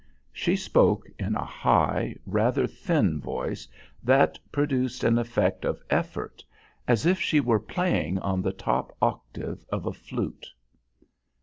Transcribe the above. She spoke in a high, rather thin voice that produced an effect of effort, as if she were playing on the top octave of a flute.